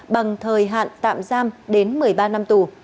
bằng thời hạn tạm giam đến một mươi ba năm tù